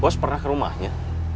bos pernah ke rumahnya